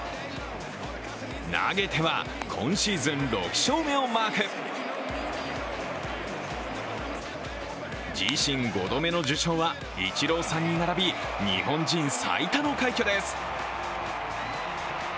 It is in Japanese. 投げては今シーズン６勝目をマーク自身５度目の受賞はイチローさんに並び日本人最多の快挙です。